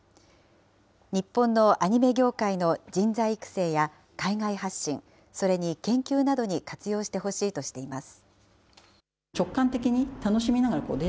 日本のアニメ業界の人材育成や海外発信、それに研究などに活用してほしいとしています。